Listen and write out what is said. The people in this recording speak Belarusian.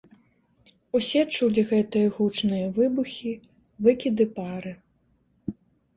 Усе чулі гэтыя гучныя выбухі, выкіды пары.